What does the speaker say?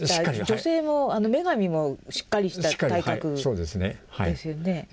女性も女神もしっかりした体格ですよね。